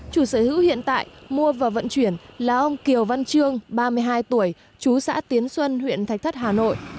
chủ sở hữu hiện tại mua và vận chuyển là ông kiều văn trương ba mươi hai tuổi chú xã tiến xuân huyện thạch thất hà nội